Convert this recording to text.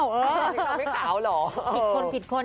เขาชมแก๊กเก้าหรอ